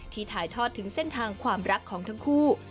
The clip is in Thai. ถ่ายทอดถึงเส้นทางความรักของทั้งคู่